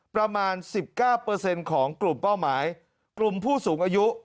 ประมาณ๑๙ของกลุ่มเป้าหมายกลุ่มผู้สูงอายุ